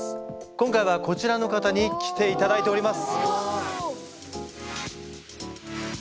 今回はこちらの方に来ていただいております。